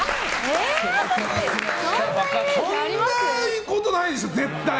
そんなことないでしょ、絶対。